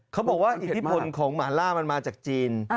เขาบอกว่าอิทธิพลของหมาล่ามันมาจากจีน